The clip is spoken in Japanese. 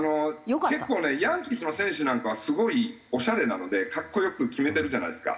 結構ねヤンキースの選手なんかはすごいオシャレなので格好良く決めてるじゃないですか。